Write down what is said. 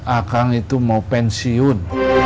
akang itu mau pensiun